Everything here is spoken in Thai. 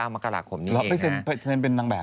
มกราคมนี้เองนะ